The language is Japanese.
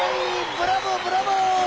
ブラボーブラボー！